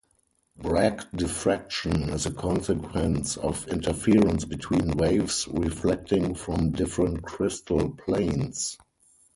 Bragg diffraction is a consequence of interference between waves reflecting from different crystal planes.